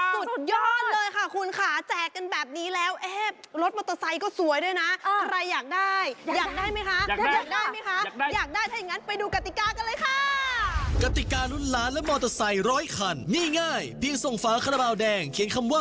สุดยอดเลยค่ะคุณค่ะแจกกันแบบนี้แล้ว